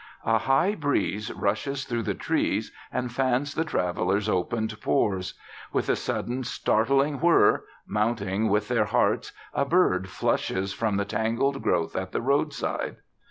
A high breeze rushes through the trees and fans the traveller's opened pores. With a sudden, startling whir, mounting with their hearts, a bird flushes from the tangled growth at the roadside.